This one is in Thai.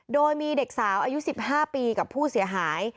โดยมีเด็กสาวอายุ๑๕ปีกับผู้เสียหาย